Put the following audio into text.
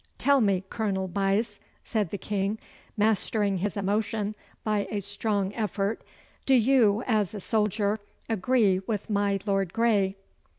'Tell me, Colonel Buyse,' said the King, mastering his emotion by a strong effort. 'Do you, as a soldier, agree with my Lord Grey?